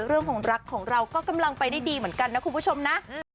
เรื่องของรักของเราก็กำลังไปได้ดีเหมือนกันนะคุณผู้ชมนะ